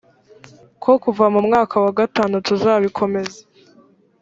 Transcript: ko kuva mu mwaka wa gatanu tuzabikomeza